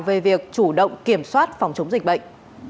về việc chủ động kiểm soát phòng chống dịch bệnh